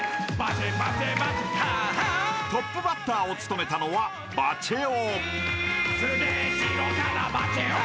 ［トップバッターを務めたのはバチェ男］